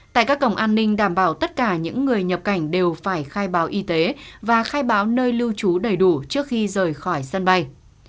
tại các cổng an ninh đảm bảo tất cả những người nhập cảnh đều phải khai báo y tế và khai báo nơi lưu trú đầy đủ trước khi rời khỏi sân bay